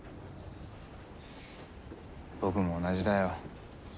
僕も同じだよ。